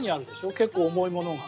結構、重いものが。